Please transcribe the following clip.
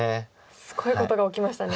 すごいことが起きましたね。